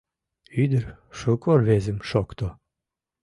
Ӱдыр шуко рвезым «шокто»